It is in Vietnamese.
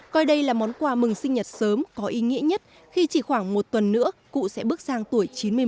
coi đây là món quà mừng sinh nhật sớm có ý nghĩa nhất khi chỉ khoảng một tuần nữa cụ sẽ bước sang tuổi chín mươi một